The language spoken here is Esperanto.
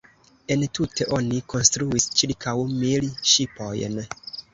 Entute oni konstruis ĉirkaŭ mil ŝipojn.